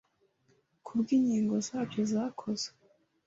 ku bw'inkingo zabyo zakozwe